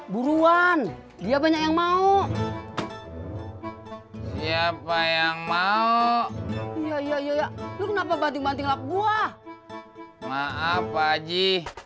buruan dia banyak yang mau siapa yang mau iya iya lu kenapa banting banting lap buah maaf aja